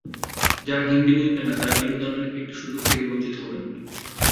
যাঁরা হিন্দি বুঝবেন না, তাঁরা বিনোদনের একটি সুযোগ থেকে বঞ্চিত হবেন।